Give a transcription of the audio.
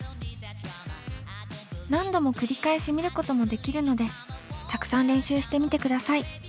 何度も繰り返し見ることもできるのでたくさん練習してみてください。